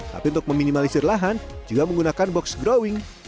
tapi untuk meminimalisir lahan juga menggunakan box growing